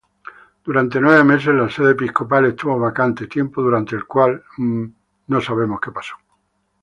Durante nueve meses la sede episcopal estuvo vacante, tiempo durante el cual Mons.